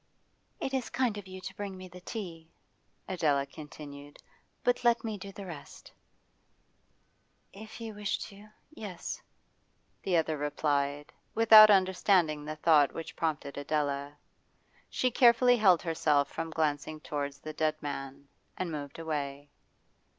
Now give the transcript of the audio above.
'It is kind of you to bring me the tea,' Adela continued. 'But let me do the rest.' 'If you wish to yes,' the other replied, without understanding the thought which prompted Adela. She carefully held herself from glancing towards the dead man, and moved away.